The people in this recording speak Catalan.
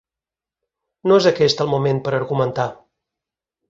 No és aquest el moment per argumentar.